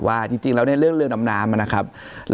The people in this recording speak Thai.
ว่าจริงแล้วเนี่ยเรื่องเรือดำน้ำนะครับ